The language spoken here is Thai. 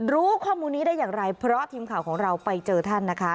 รู้ข้อมูลนี้ได้อย่างไรเพราะทีมข่าวของเราไปเจอท่านนะคะ